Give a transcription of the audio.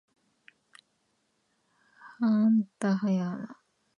はあんたはやはた